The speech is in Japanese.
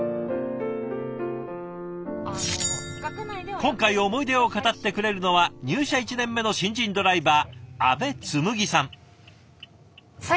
今回思い出を語ってくれるのは入社１年目の新人ドライバー阿部紬さん。